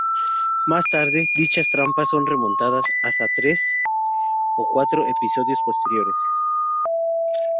Más tarde, dichas tramas son retomadas hasta tres o cuatro episodios posteriores.